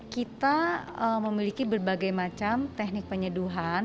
kita memiliki berbagai macam teknik penyeduhan